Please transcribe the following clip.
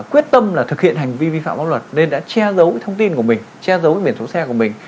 quyết tâm là thực hiện hành vi vi phạm pháp luật nên đã che giấu thông tin của mình che giấu biển số xe của mình